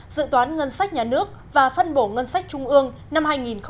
dự toán ngân sách nhà nước và phân bổ ngân sách trung ương năm hai nghìn hai mươi